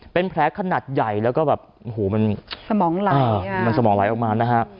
เป็นแผลขนาดใหญ่แล้วก็แบบโอ้โหมันสมองไหลมันสมองไหลออกมานะฮะ